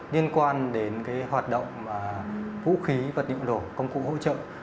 liên quan đến cái hoạt động vũ khí vật nhiễu nổ công cụ hỗ trợ